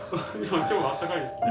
今日はあったかいですね。